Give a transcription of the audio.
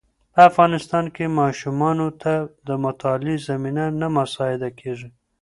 په افغانستان کې ماشومانو ته د مطالعې زمینه نه مساعده کېږي.